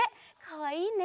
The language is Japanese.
かわいいね。